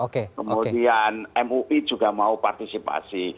kemudian mui juga mau partisipasi